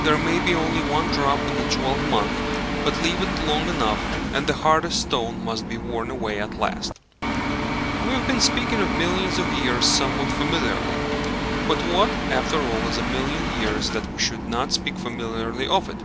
There may be only one drop in a twelvemonth, but leave it long enough, and the hardest stone must be worn away at last. We have been speaking of millions of years somewhat familiarly; but what, after all, is a million years that we should not speak familiarly of it?